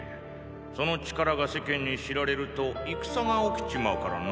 その力が世間に知られると戦が起きちまうからな。